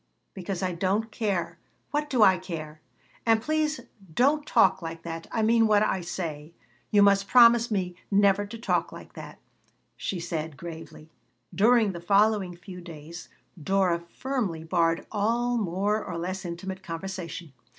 "Because I don't care. What do I care? And please don't talk like that. I mean what I say. You must promise me never to talk like that," she said, gravely During the following few days Dora firmly barred all more or less intimate conversation.